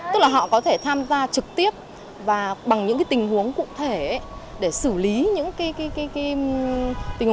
tức là họ có thể tham gia trực tiếp và bằng những tình huống cụ thể để xử lý những tình